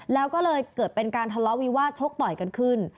แล้วก็เลยเกิดเป็นการทะเลาะวิวาสชกต่อยกันขึ้น